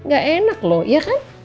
gak enak loh iya kan